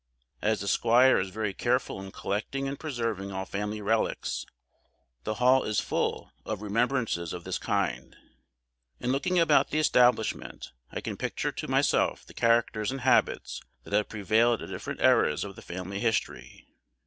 As the squire is very careful in collecting and preserving all family reliques, the Hall is full of remembrances of this kind. In looking about the establishment, I can picture to myself the characters and habits that have prevailed at different eras of the family history.